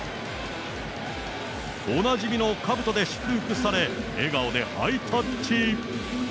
おなじみのかぶとで祝福され、笑顔でハイタッチ。